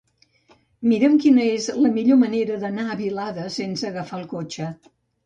Mira'm quina és la millor manera d'anar a Vilada sense agafar el cotxe.